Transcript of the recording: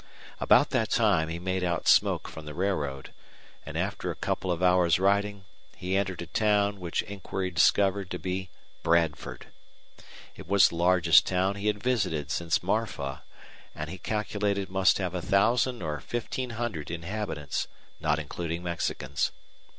About that time he made out smoke from the railroad, and after a couple of hours' riding he entered a town which inquiry discovered to be Bradford. It was the largest town he had visited since Marfa, and he calculated must have a thousand or fifteen hundred inhabitants, not including Mexicans.